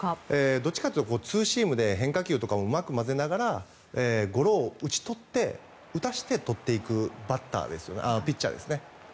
どっちかというとツーシームで変化球とかをうまく交ぜながらゴロを打たせて取っていくピッチャーですね。